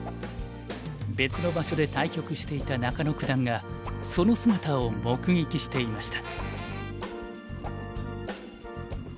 別の場所で対局していた中野九段がその姿を目撃していました。